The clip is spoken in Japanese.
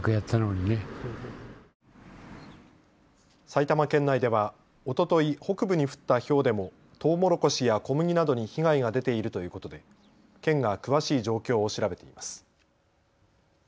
埼玉県内では、おととい北部に降ったひょうでもとうもろこしや小麦などに被害が出ているということで県が詳しい状況を調べています。